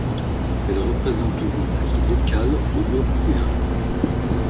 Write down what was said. Elle représente aujourd'hui locales de européens.